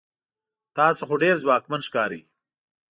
تاسو خو ډیر ځواکمن ښکارئ